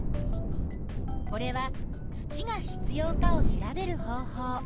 これは土が必要かを調べる方法。